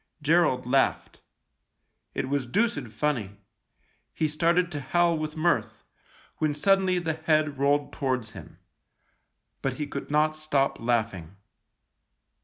Gerald laughed. It was deuced funny ; he started to howl with mirth, when suddenly the head rolled towards him. But he could not stop laughing.